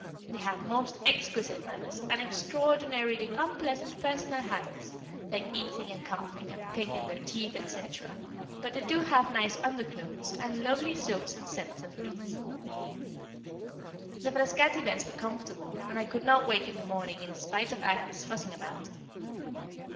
They have most exquisite manners, and extraordinarily unpleasant personal habits, like eating, and coughing, and picking their teeth, etc.; but they do have nice under clothes, and lovely soaps and scents and things. [Sidenote: Views for Victorine] The Frascati beds were comfortable, and I could not wake in the morning, in spite of Agnès fussing about.